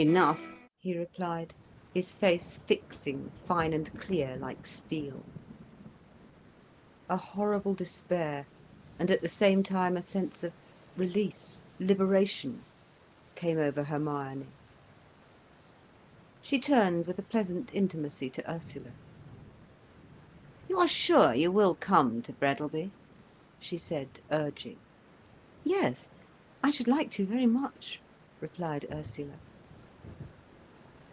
"Enough," he replied, his face fixing fine and clear like steel. A horrible despair, and at the same time a sense of release, liberation, came over Hermione. She turned with a pleasant intimacy to Ursula. "You are sure you will come to Breadalby?" she said, urging. "Yes, I should like to very much," replied Ursula.